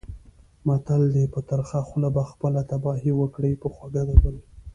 متل دی: په ترخه خوله به خپله تباهي وکړې، په خوږه د بل.